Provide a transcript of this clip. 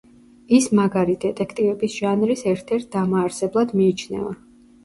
ის „მაგარი დეტექტივების“ ჟანრის ერთ-ერთ დამაარსებლად მიიჩნევა.